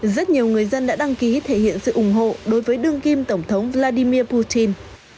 rất nhiều người dân đã đăng ký thể hiện sự ủng hộ đối với đương kim tổng thống vladimir putin